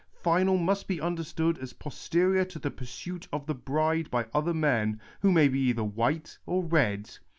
Final must be understood as posterior to the pursuit of the bride by other men, who may be cither white or red.